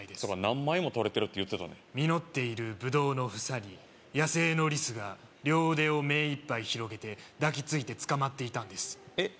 何枚も撮れてるって言ってたね実っているブドウの房に野生のリスが両腕をめいいっぱい広げて抱きついてつかまっていたんですえっ